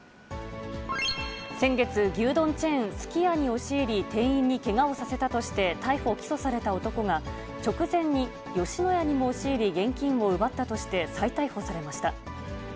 先月、牛丼チェーン、すき家に押し入り、店員にけがをさせたとして、逮捕・起訴された男が、直前に吉野家にも押し入り、現金を奪ったとして再逮捕されました。